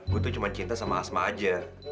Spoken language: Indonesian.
gue tuh cuma cinta sama asma aja